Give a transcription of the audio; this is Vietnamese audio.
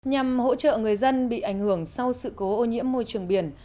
nhằm hỗ trợ người dân bị ảnh hưởng sau sự cố ô nhiễm môi trường biển